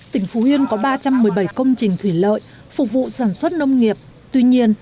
tỉnh phú yên có ba trăm một mươi bảy công trình thủy lợi phục vụ sản xuất nông nghiệp tuy nhiên